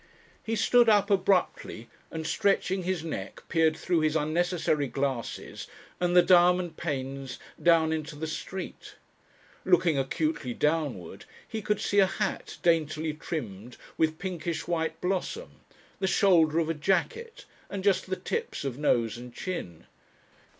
He stood up abruptly, and, stretching his neck, peered through his unnecessary glasses and the diamond panes down into the street. Looking acutely downward he could see a hat daintily trimmed with pinkish white blossom, the shoulder of a jacket, and just the tips of nose and chin.